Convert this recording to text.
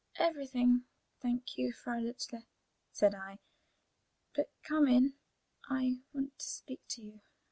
"Everything, thank you, Frau Lutzler," said I. "But come in! I want to speak to you.